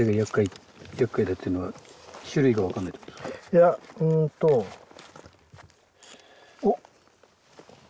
いやうんとおっ？